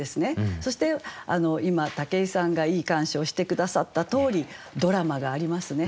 そして今武井さんがいい鑑賞をして下さったとおりドラマがありますね。